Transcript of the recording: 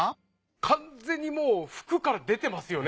完全にもう服から出てますよね。